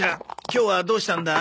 今日はどうしたんだ？